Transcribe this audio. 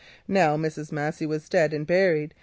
Mrs. Massey was dead and buried.